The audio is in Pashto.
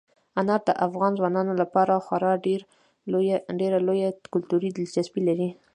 انار د افغان ځوانانو لپاره خورا ډېره لویه کلتوري دلچسپي لري.